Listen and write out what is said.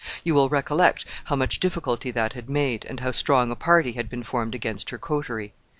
You will recollect how much difficulty that had made, and how strong a party had been formed against her coterie.